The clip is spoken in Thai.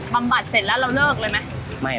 บำบัดเสร็จแล้วเราเลิกเลยไหม